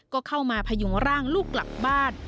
ก็เข้ามาพยุงร่างลูกกลับบ้าน